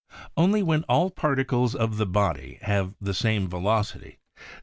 Only, when all particles of the body have the same velocity, does the Fig.